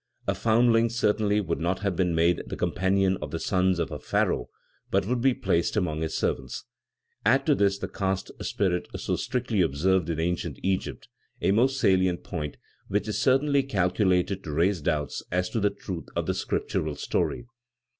A foundling certainly would not have been made the companion of the sons of a Pharaoh, but would be placed among his servants. Add to this the caste spirit so strictly observed in ancient Egypt, a most salient point, which is certainly calculated to raise doubts as to the truth of the Scriptural story.